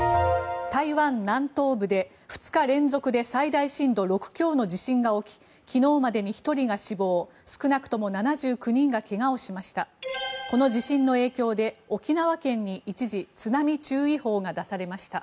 台湾南東部で２日連続で最大震度６強の地震が起き昨日までに１人が死亡少なくとも７９人が怪我をしました。